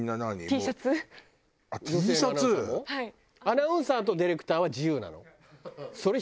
アナウンサーとディレクターは自由なの？